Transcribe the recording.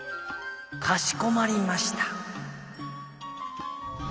「かしこまりました」。